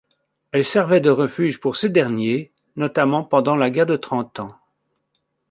Elle servait de refuge pour ces derniers, notamment pendant la guerre de Trente Ans.